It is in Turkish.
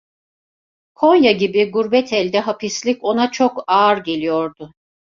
Konya gibi gurbet elde hapislik ona çok ağır geliyordu.